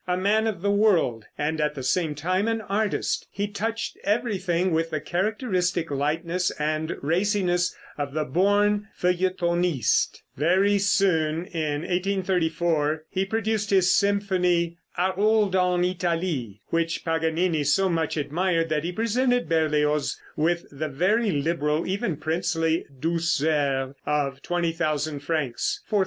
A man of the world, and at the same time an artist, he touched everything with the characteristic lightness and raciness of the born feuilletonist. Very soon (in 1834), he produced his symphony "Harold en Italie," which Paganini so much admired that he presented Berlioz with the very liberal, even princely douceur of 20,000 francs ($4,000).